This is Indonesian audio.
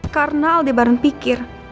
karena adeb barna pikir